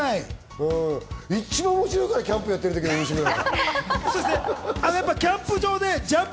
一番面白いから、キャンプやってるときの西村が。